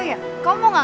ya ampun dah